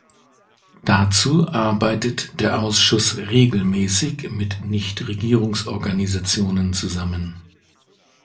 Dazu arbeitet der Ausschuss regelmäßig mit Nichtregierungsorganisationen zusammen.